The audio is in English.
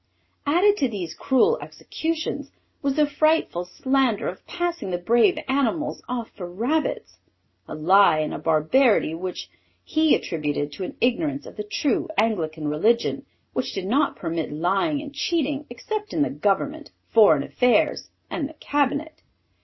Added to these cruel executions was the frightful slander of passing the brave animals off for Rabbits, a lie and a barbarity which he attributed to an ignorance of the true Anglican religion which did not permit lying and cheating except in the government, foreign affairs, and the cabinet.